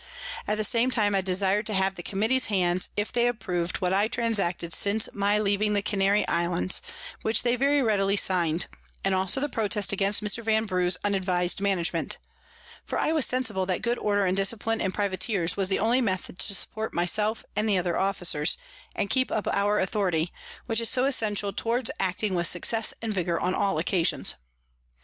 At the same time I desir'd to have the Committee's Hands, if they approv'd what I had transacted since my leaving the Canary Islands, which they very readily sign'd, as also the Protest against Mr. Vanbrugh's unadvis'd Management; for I was sensible that good Order and Discipline in Privateers was the only Method to support my self and the other Officers, and keep up our Authority, which is so essential towards acting with Success and Vigour on all occasions.